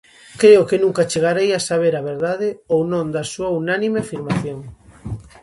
Creo que nunca chegarei a saber a verdade ou non da súa unánime afirmación.